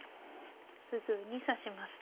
すぐに指しますね。